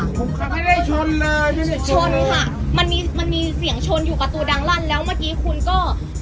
ผมขับไม่ได้ชนเลยไม่ได้ชนค่ะมันมีมันมีเสียงชนอยู่ประตูดังลั่นแล้วเมื่อกี้คุณก็